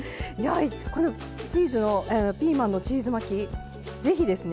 このピーマンのチーズ巻き是非ですね。